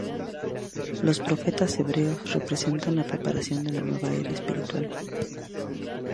Los profetas hebreos representan la preparación de la nueva era espiritual.